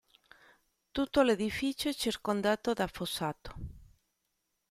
Tutto l'edificio è circondato da fossato.